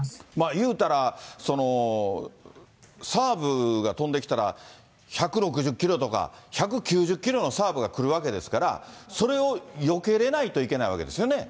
言うたらサーブが飛んできたら、１６０キロとか、１９０キロのサーブが来るわけですから、それをよけれないといけないわけですよね。